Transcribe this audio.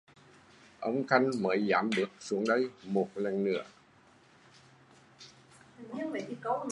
Ông Khanh mới dám bước xuống đây một lần nữa